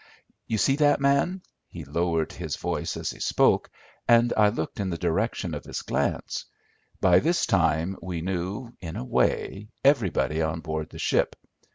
You see that man?" He lowered his voice as he spoke, and I looked in the direction of his glance. By this time we knew, in a way, everybody on board the ship.